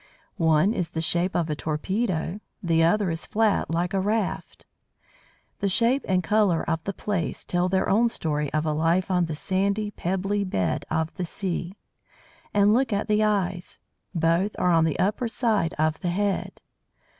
One is the shape of a torpedo, the other is flat like a raft. The shape and colour of the Plaice tell their own story of a life on the sandy, pebbly bed of the sea. And look at the eyes! Both are on the upper side of the head!